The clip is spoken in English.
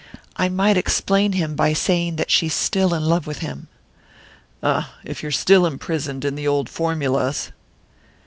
"I might explain him by saying that she's still in love with him." "Ah, if you're still imprisoned in the old formulas!"